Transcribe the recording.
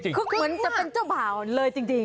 คือเหมือนจะเป็นเจ้าบ่าวเลยจริง